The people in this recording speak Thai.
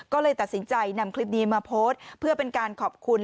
ก็เลยตัดสินใจนำคลิปนี้มาโพสต์เพื่อเป็นการขอบคุณ